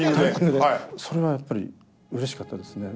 それはやっぱりうれしかったですね。